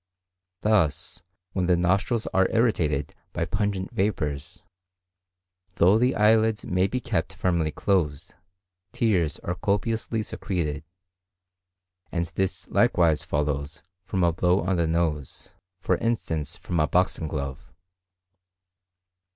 Thus when the nostrils are irritated by pungent vapours, though the eyelids may be kept firmly closed, tears are copiously secreted; and this likewise follows from a blow on the nose, for instance from a boxing glove.